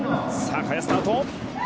萱、スタート！